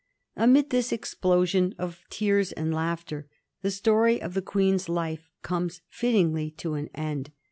Amid this explosion of tears and laughter the story of the Queen^s life comes fittingly to an end.